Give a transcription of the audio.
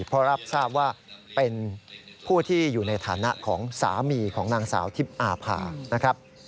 เพราะรับทราบว่าเป็นผู้ที่อยู่ในฐานะของสามีของนางสาวทิพย์อาภานะครับ